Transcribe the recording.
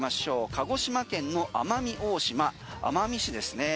鹿児島県の奄美大島奄美市ですね。